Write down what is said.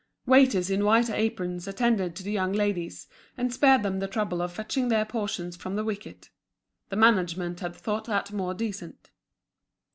Waiters in white aprons attended to the young ladies, and spared them the trouble of fetching their portions from the wicket. The management had thought that more decent.